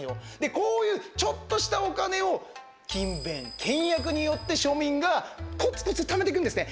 こういう、ちょっとしたお金を勤勉倹約によって庶民がコツコツとためていくんですね。